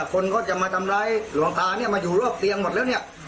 คนก็จะมาทำร้ายหลวงตาเนี่ยมาอยู่รอบเตียงหมดแล้วเนี่ย